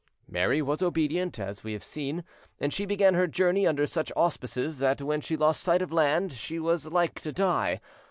Mary was obedient, as we have seen, and she began her journey under such auspices that when she lost sight of land she was like to die.